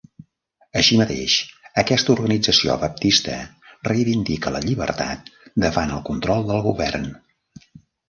Així mateix, aquesta organització baptista reivindica la llibertat davant el control del govern.